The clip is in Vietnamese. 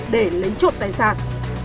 để lấy trộm tài sản